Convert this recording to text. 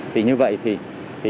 thì như vậy thì